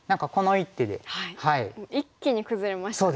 一気に崩れましたね。